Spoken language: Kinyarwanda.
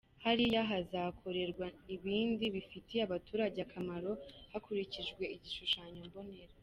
Hariya hazakorerwa ibindi bifitiye abaturage akamaro, hakurikijwe igishushanyo mbonera.